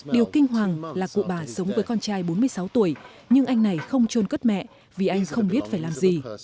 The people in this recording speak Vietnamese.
điều kinh hoàng là cụ bà sống với con trai bốn mươi sáu tuổi nhưng anh này không trôn cất mẹ vì anh không biết phải làm gì